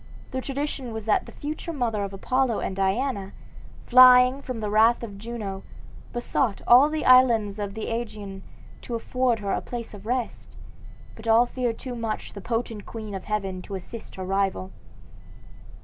The tradition was that the future mother of Apollo and Diana, flying from the wrath of Juno, besought all the islands of the Aegean to afford her a place of rest, but all feared too much the potent queen of heaven to assist her rival.